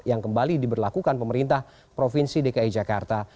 yang kembali diberlakukan pemerintah provinsi dki jakarta